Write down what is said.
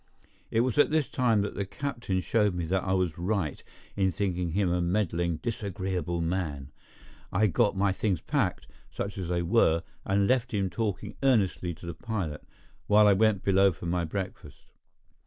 It was at this time that the captain showed me that I was right in thinking him a meddling, disagreeable man. I got my things packed, such as they were, and left him talking earnestly to the pilot, while I went below for my breakfast.